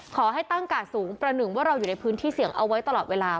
ขอให้ตั้งกาดสูงประหนึ่งว่าเราอยู่ในพื้นที่เสี่ยงเอาไว้ตลอดเวลา